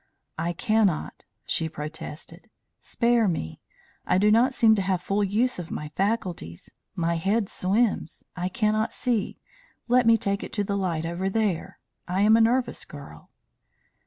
"I cannot," she protested. "Spare me! I do not seem to have full use of my faculties. My head swims I cannot see let me take it to the light over there I am a nervous girl."